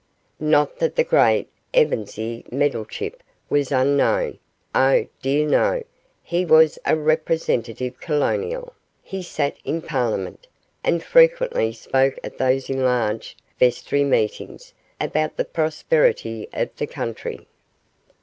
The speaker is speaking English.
Not that the great Ebenezer Meddlechip was unknown oh, dear, no he was a representative colonial; he sat in Parliament, and frequently spoke at those enlarged vestry meetings about the prosperity of the country.